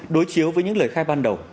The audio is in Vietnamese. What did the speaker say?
đối chiếu với những lời khai ban đầu